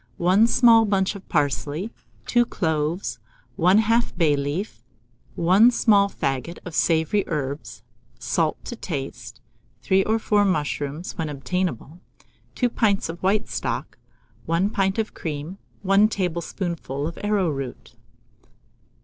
1 small bunch of parsley, 2 cloves, 1/2 bay leaf, 1 small faggot of savoury herbs, salt to taste; 3 or 4 mushrooms, when obtainable; 2 pints of white stock, 1 pint of cream, 1 tablespoonful of arrowroot.